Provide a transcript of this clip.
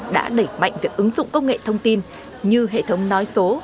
đã đẩy mạnh việc ứng dụng công nghệ thông tin như hệ thống nói số